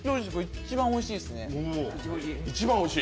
一番おいしい。